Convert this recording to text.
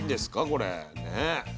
これね。